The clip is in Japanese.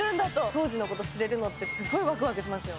当時のこと知れるのってすごいわくわくしますよ。